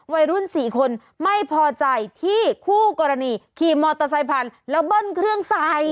วัยรุ่น๔คนไม่พอใจที่คู่กรณีขี่มอเตอร์ไซค์ผ่านแล้วเบิ้ลเครื่องใส่